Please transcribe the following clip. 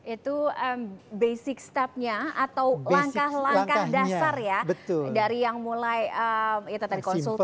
itu langkah langkah dasar dari yang mulai konsultasi